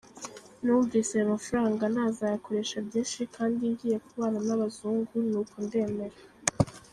Numvise ayo mafaranga nazayakoresha byinshi kandi ngiye kubana n’abazungu nuko ndemera.